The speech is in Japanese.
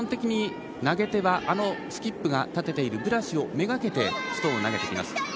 投げ手はスキップが立てているブラシをめがけてストーンを投げていきます。